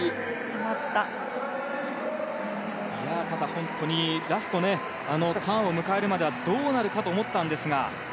ただ、ラストターンを迎えるまではどうなるかと思ったんですが。